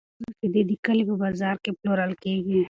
د غواګانو شیدې د کلي په بازار کې پلورل کیږي.